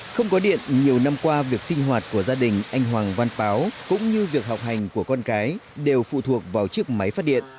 không có điện nhiều năm qua việc sinh hoạt của gia đình anh hoàng văn báo cũng như việc học hành của con cái đều phụ thuộc vào chiếc máy phát điện